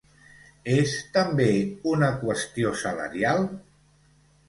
És, també, una qüestió salarial?